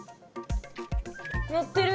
乗ってる。